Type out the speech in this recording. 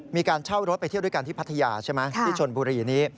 มีการเช่ารถไปเที่ยวด้วยกันที่พัทยาใช่ไหมที่ชนบุรีนี้